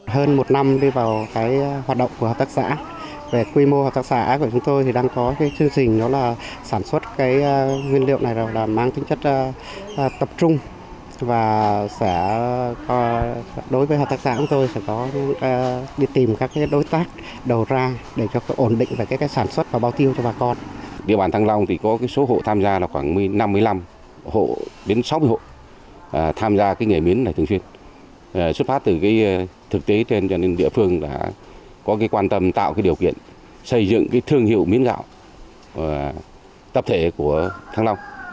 hơn một năm đi vào hoạt động của hợp tác xã về quy mô hợp tác xã của chúng tôi thì đang có chương trình sản xuất nguyên liệu này là mang tính chất tập trung